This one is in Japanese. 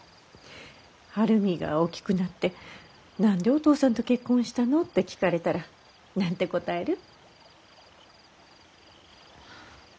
晴海が大きくなって「何でお父さんと結婚したの？」って聞かれたら何て答える？